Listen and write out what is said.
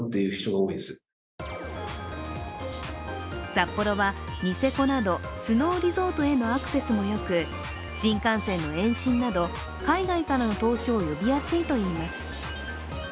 札幌はニセコなどスノーリゾートへのアクセスもよく新幹線の延伸など海外からの投資を呼びやすいといいます。